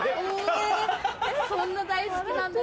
そんな大好きなんだ